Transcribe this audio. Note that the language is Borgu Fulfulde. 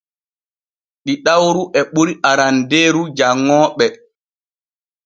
Ɗiɗawru e ɓuri arandeeru janŋooɓe.